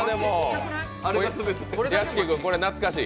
屋敷君、これ懐かしい？